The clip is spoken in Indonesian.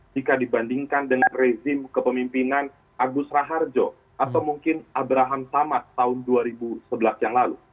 jika dibandingkan dengan rezim kepemimpinan agus raharjo atau mungkin abraham samad tahun dua ribu sebelas yang lalu